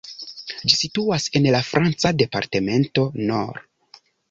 Ĝi situas en la franca departemento Nord.